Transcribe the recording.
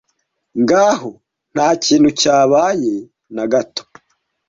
nkaho ntakintu cyabaye nagato